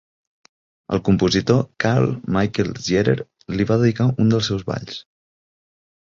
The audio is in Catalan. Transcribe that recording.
El compositor Karl Michael Ziehrer li va dedicar un dels seus balls.